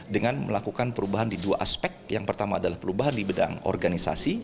dengan melakukan perubahan di dua aspek yang pertama adalah perubahan di bidang organisasi